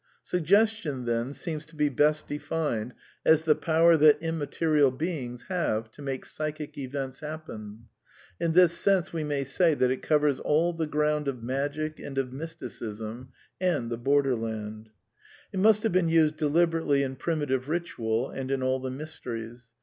Snffgestion, then, seems to be bes t defin ed as the power t hat imm atfirial nfing" '^Q^eJ;Q.JBgj^£Jsjcnic^e^^ pen. In this sense we may say that it covers aii the groun^T of Magic and of Mysticism and the Borderland. It must have been used deliberately in primitive ritual and in all the Mysteries.